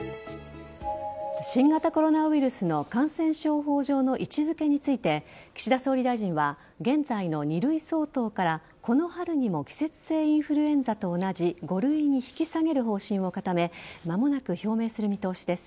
新型コロナウイルスの感染症法上の位置付けについて岸田総理大臣は現在の２類相当からこの春にも季節性インフルエンザと同じ５類に引き下げる方針を固め間もなく表明する見通しです。